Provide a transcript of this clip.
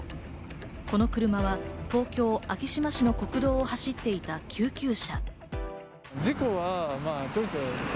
この車は東京・昭島市の公道を走っていた救急車。